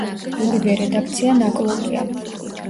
ორივე რედაქცია ნაკლულია.